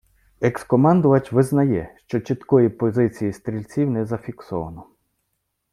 Екс - командувач визнає, що чіткої позиції стрільців не зафіксовано.